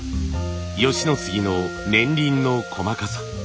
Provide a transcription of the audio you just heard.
吉野杉の年輪の細かさ。